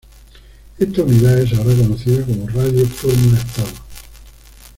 Esta unidad es ahora conocida como Radio Fórmula Estados.